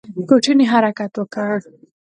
کوټنۍ حرکت وکړ.